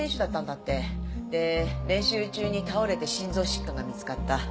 で練習中に倒れて心臓疾患が見つかった。